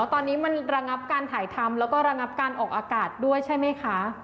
ตอนนี้มันระงับการถ่ายทำแล้วก็ระงับการออกอากาศด้วยใช่ไหมคะ